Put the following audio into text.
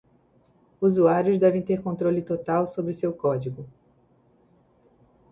Usuários devem ter controle total sobre seu código.